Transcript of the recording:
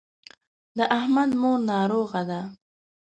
د احمد مور ناروغه ده.